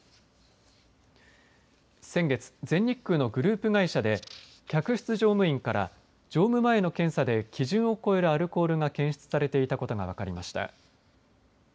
先月、全日空のグループ会社で客室乗務員から乗務前の検査で基準を超えるアルコールが検出されていたことが分かりました。